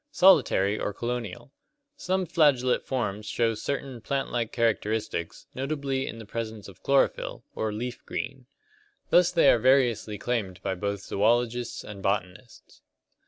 Solitary or colonial. Some flagellate forms show certain plant like characteristics, notably in the presence of chlorophyl, or leaf green. Thus they are variously claimed by both zoologists and botanists.